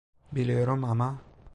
Biliyorum, ama…